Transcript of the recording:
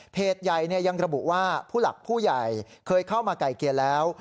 ใหญ่ยังระบุว่าผู้หลักผู้ใหญ่เคยเข้ามาไก่เกลียแล้ว